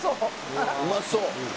「うまそう」